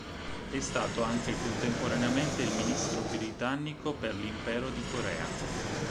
È stato anche contemporaneamente il ministro britannico per l'impero di Corea.